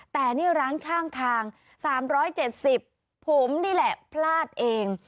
แต่นี่ร้านข้างทาง๓๗๐ผมนี่แหละพลาดเอง